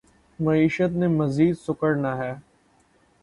معیشت نے مزید سکڑنا ہے۔